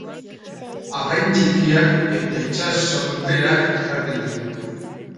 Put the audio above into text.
Arrain txikiak eta itsas soinberak jaten ditu.